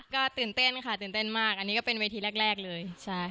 ก็ตื่นเต้นค่ะตื่นเต้นมากอันนี้ก็เป็นเวทีแรกเลยใช่